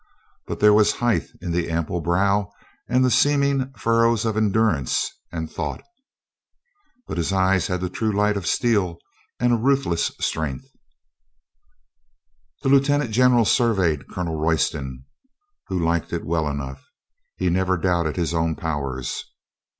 But there was height in the ample brow and the seaming furrows of endurance and thought. But his eyes had the true light of steel and a ruthless strength. The lieutenant general surveyed Colonel Roy ston, who liked it well enough. He never doubted his own powers.